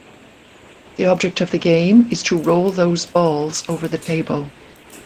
The object of the game is to roll those balls over the table.